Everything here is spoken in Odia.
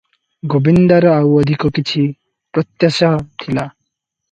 ଗୋବିନ୍ଦାର ଆଉ ଅଧିକ କିଛି ପ୍ରତ୍ୟାଶା ଥିଲା ।